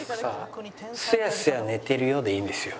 「すやすやねてるよ」でいいんですよ。